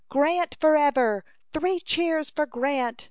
"Grant forever! Three cheers for Grant!"